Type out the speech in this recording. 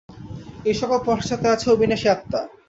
এই-সকলের পশ্চাতে আছে অবিনাশী আত্মা।